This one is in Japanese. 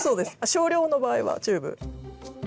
少量の場合はチューブ。